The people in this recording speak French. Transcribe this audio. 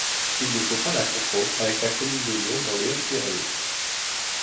Il ne faut pas la confondre avec la commune de Lourdes dans les Hautes-Pyrénées.